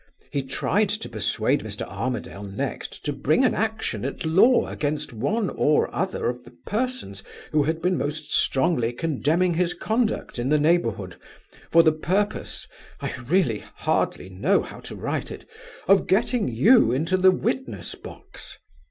He tried to persuade Mr. Armadale next to bring an action at law against one or other of the persons who had been most strongly condemning his conduct in the neighborhood, for the purpose I really hardly know how to write it of getting you into the witness box.